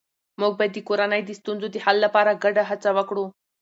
موږ باید د کورنۍ د ستونزو د حل لپاره ګډه هڅه وکړو